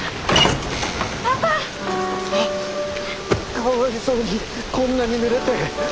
かわいそうにこんなにぬれて。